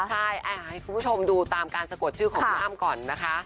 ใช่ให้คุณผู้ชมดูตามการสะกดชื่อของพี่อ้ำก่อนนะคะ